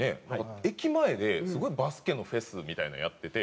駅前ですごいバスケのフェスみたいなのやってて。